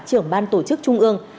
trưởng ban tổ chức trung ương